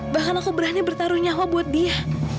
bahkan aku berani bertaruh nyawa buat dia